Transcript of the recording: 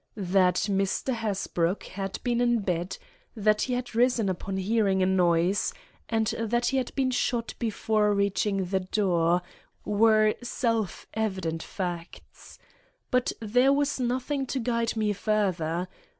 That Mr. Hasbrouck had been in bed; that he had risen upon hearing a noise; and that he had been shot before reaching the door, were self evident facts. But there was nothing to guide me further.